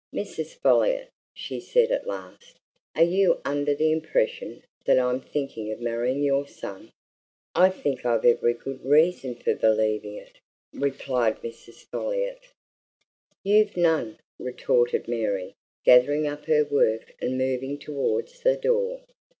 "Mrs. Folliot!" she said at last. "Are you under the impression that I'm thinking of marrying your son?" "I think I've every good reason for believing it!" replied Mrs. Folliot. "You've none!" retorted Mary, gathering up her work and moving towards the door.